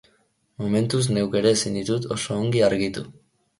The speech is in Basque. Momentuz neuk ere ezin dizut oso ongi argitu.